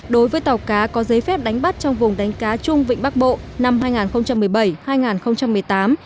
đối với tàu cá có giấy phép đánh bắt trong vùng đánh cá chung vịnh bắc bộ năm hai nghìn một mươi bảy hai nghìn một mươi tám